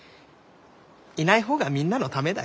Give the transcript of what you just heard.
いない方がみんなのためだよ。